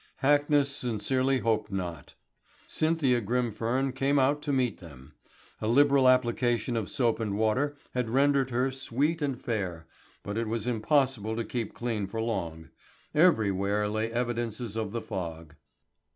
Hackness sincerely hoped not. Cynthia Grimfern came out to meet them. A liberal application of soap and water had rendered her sweet and fair, but it was impossible to keep clean for long. Everywhere lay evidences of the fog.